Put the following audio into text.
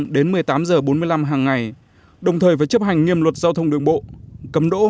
đến một mươi tám h bốn mươi năm hàng ngày đồng thời phải chấp hành nghiêm luật giao thông đường bộ cấm đỗ